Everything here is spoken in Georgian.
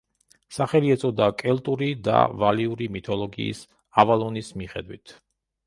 სახელი ეწოდა კელტური და ვალიური მითოლოგიის ავალონის მიხედვით.